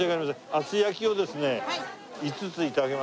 厚焼をですね５つ頂けますか？